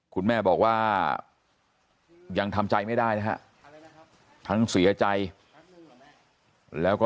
คุณแม่บอกว่ายังทำใจไม่ได้นะครับ